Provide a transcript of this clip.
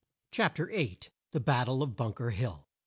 CHAPTER VIII. THE BATTLE OF BUNKER HILL.